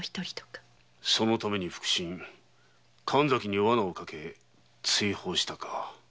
そのために腹心・神崎にワナをかけ追放したか。